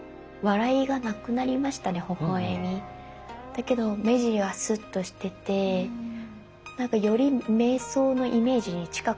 だけど目尻はすっとしててなんかより瞑想のイメージに近くなりましたね。